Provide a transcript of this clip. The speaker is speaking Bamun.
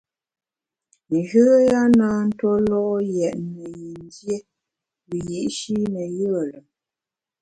Njoya na tue lo’ yètne yin dié wiyi’shi ne yùe lùm.